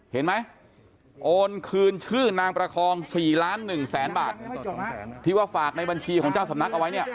เห็นไหมโอนคืนชื่อนางประคอง๔ล้าน๑แสนบาทที่ว่าฝากในบัญชีของเจ้าสำนักเอาไว้เนี่ย